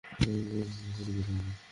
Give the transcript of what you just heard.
আমি গুমটিতেই লুকিয়ে থাকবো।